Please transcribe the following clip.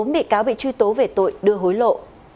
bốn bị cáo bị truy tố về tội đưa hối lộ